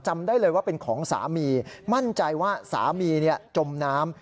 จำได้เลยว่าเป็นของสามีมั่นใจว่าสามีจมน้ำ